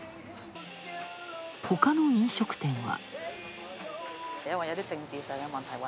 ほかの飲食店は。